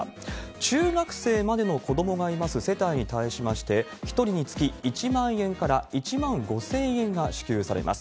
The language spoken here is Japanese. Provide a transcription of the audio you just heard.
中学生までの子どもがいます世帯に対しまして、１人につき１万円から１万５０００円が支給されます。